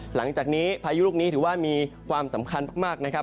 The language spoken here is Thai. หลังจากนี้พายุลูกนี้ถือว่ามีความสำคัญมากนะครับ